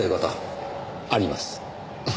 あります。